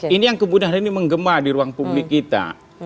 ini yang kemudian menggema di ruang publik kita